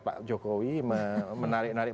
pak jokowi menarik narik